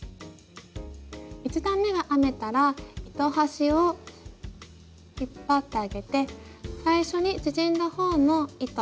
１段めが編めたら糸端を引っ張ってあげて最初に縮んだほうの糸